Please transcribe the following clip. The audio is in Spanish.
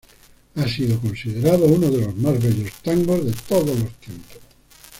Ha sido considerado uno de los más bellos tangos de todos los tiempos.